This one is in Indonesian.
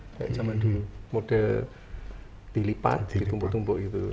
kayak zaman dulu dilipat ditumpuk tumpuk gitu